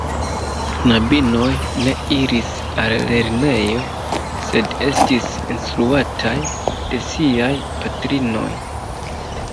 Knabinoj ne iris al lernejo, sed estis instruataj de siaj patrinoj.